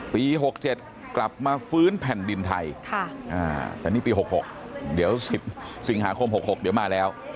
ปี๖๗กลับมาฟื้นแผ่นดินไทยแต่นี่ปี๖๖เดี๋ยว๑๐สิงหาคม๖๖เดี๋ยวมาแล้ว